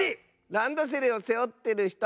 ランドセルをせおってるひと！